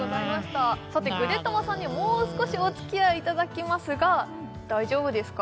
さてぐでたまさんにもう少しだりぃおつきあいいただきますが大丈夫ですか？